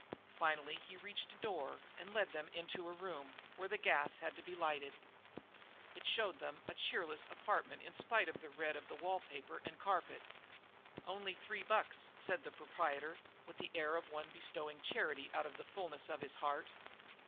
Finally he reached a door and led them into a room where the gas had to be lighted. It showed them a cheerless apartment in spite of the red of wall paper and carpet. "Only three bucks," said the proprietor with the air of one bestowing charity out of the fullness of his heart.